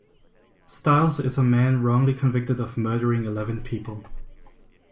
Stiles is a man wrongly convicted of murdering eleven people.